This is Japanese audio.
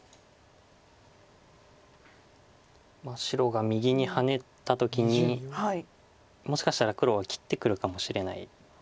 白が右にハネた時にもしかしたら黒は切ってくるかもしれないです。